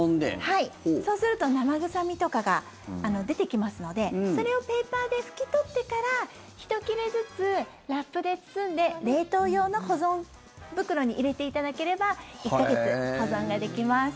はい、そうすると生臭みとかが出てきますのでそれをペーパーで拭き取ってから１切れずつラップで包んで冷凍用の保存袋に入れていただければ１か月保存ができます。